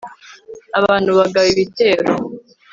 abantu bagaba ibitero